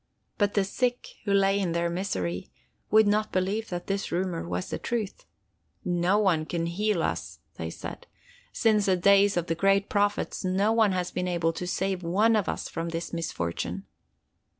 But the sick, who lay in their misery, would not believe that this rumor was the truth. 'No one can heal us,' they said. 'Since the days of the great prophets no one has been able to save one of us from this misfortune.